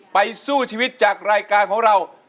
สู้ชีวิตจากรายการของเรา